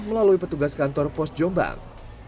melalui petugas kantor pos jombang